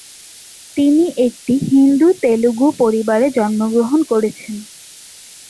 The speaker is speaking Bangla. তিনি একটি হিন্দু তেলুগু পরিবারে জন্মগ্রহণ করেছেন।